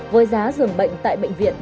với giá giường bệnh tại bệnh viện